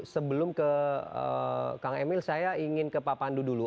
sebelum ke kang emil saya ingin ke pak pandu dulu